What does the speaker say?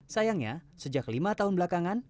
sayangnya sejak lima tahun belakangan